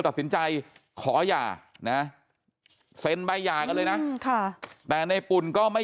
ตัดสินใจขอหย่านะเซ็นใบหย่ากันเลยนะแต่ในปุ่นก็ไม่